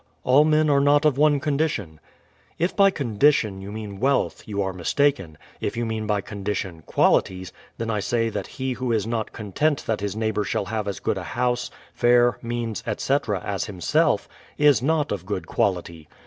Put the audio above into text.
All men are not of one condition :— If by "condition" you mean "wealth" you are mistaken; if you mean by "condition," "qualities," then I say that he who is not content that his neighbour shall have as good a house, fare, means, etc., as himself, is not of good quality.